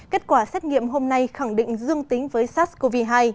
kết quả xét nghiệm hôm nay khẳng định dương tính với sars cov hai